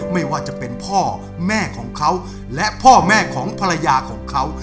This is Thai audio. ไม่ว่าจะเป็นพ่อแม่ของเขาและพ่อแม่ของภรรยาของเขา